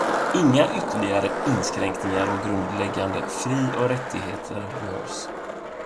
Inga ytterligare inskränkningar av grundläggande fri- och rättigheter behövs.